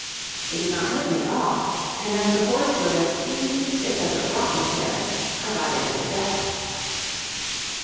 It did not hurt me at all, and as the horse was as easy to sit as a rocking chair, I got in at the death.